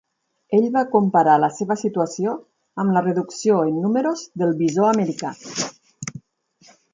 Ell va comparar la seva situació amb la reducció en números del bisó americà.